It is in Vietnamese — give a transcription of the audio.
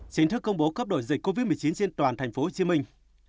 chính thức công bố cấp đổi dịch covid một mươi chín trên toàn thành phố hồ chí minh